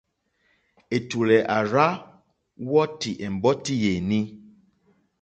Ɛ̀tùlɛ̀ à rzá wɔ́tì ɛ̀mbɔ́tí yèní.